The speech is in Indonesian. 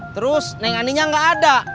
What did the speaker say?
terus neng aninya nggak ada